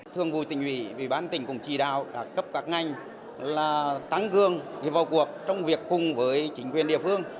thương vui tình hủy vì bán tỉnh cùng chỉ đạo các cấp các ngành là tăng cương vào cuộc trong việc cùng với chính quyền địa phương